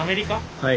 はい。